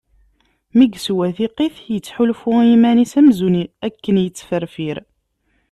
Mi yeswa tiqit yettḥulfu i yiman-is amzun akken yettferfir.